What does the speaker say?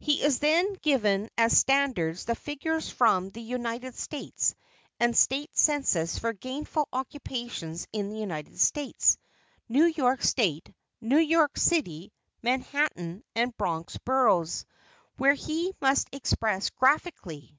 He is then given as standards the figures from the United States and State census for gainful occupations in the United States, New York State, New York City, Manhattan and Bronx Boroughs, which he must express graphically.